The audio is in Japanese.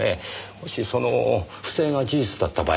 もしその不正が事実だった場合